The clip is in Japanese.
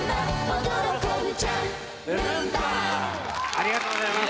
ありがとうございます。